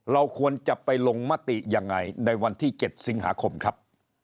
เราควรจะไปลงมติยังไงในวันที่๗สิงหาคมครับ